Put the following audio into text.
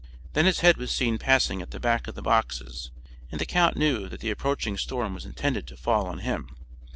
Then his head was seen passing at the back of the boxes, and the count knew that the approaching storm was intended to fall on him.